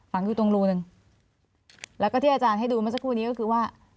อยู่ตรงรูหนึ่งแล้วก็ที่อาจารย์ให้ดูเมื่อสักครู่นี้ก็คือว่า